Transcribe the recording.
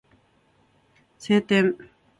晴天